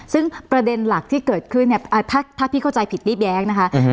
ซึ่งประเด็นหลักที่เกิดขึ้นเนี้ยอ่าถ้าถ้าพี่เข้าใจผิดนิดแยกนะคะอืม